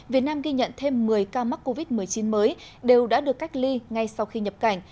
việt nam ghi nhận thêm một mươi ca mắc covid một mươi chín mới đều đã được cách ly ngay sau khi nhập cảnh